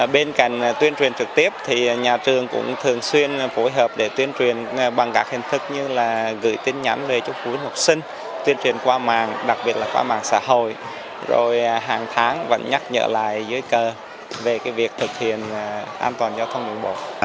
bên cạnh tuyên truyền trực tiếp thì nhà trường cũng thường xuyên phối hợp để tuyên truyền bằng các hình thức như là gửi tin nhắn về chúc quý học sinh tuyên truyền qua mạng đặc biệt là qua mạng xã hội rồi hàng tháng vẫn nhắc nhở lại dưới cờ về việc thực hiện an toàn giao thông đường bộ